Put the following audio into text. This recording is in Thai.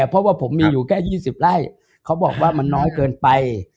เพราะว่าผมมีอยู่แค่๒๐ไร่เขาบอกว่ามันน้อยเกินไป